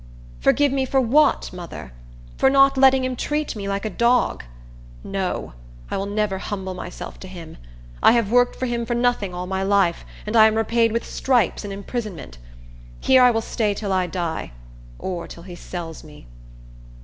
"Forgive me for what, mother? For not letting him treat me like a dog? No! I will never humble myself to him. I have worked for him for nothing all my life, and I am repaid with stripes and imprisonment. Here I will stay till I die, or till he sells me."